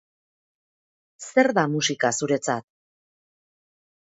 Zer da musika zuretzat?